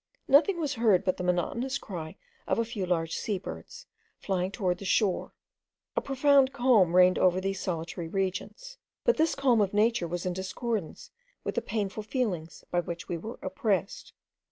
Nothing was heard but the monotonous cry of a few large sea birds, flying towards the shore. A profound calm reigned over these solitary regions, but this calm of nature was in discordance with the painful feelings by which we were oppressed.